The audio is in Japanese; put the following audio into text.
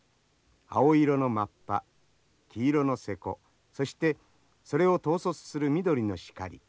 青色のマッパ黄色の勢子そしてそれを統率する緑のシカリ。